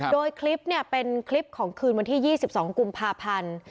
โดยคลิปเป็นคลิปของคืนวันที่๒๒กุมภาพันธ์